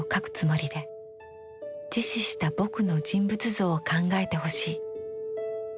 自死した「ぼく」の人物像を考えてほしい。